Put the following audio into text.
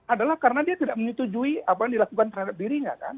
adalah karena dia tidak menyetujui apa yang dilakukan terhadap dirinya kan